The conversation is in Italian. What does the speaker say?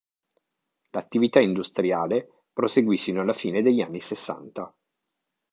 L'attività industriale proseguì sino alla fine degli anni sessanta.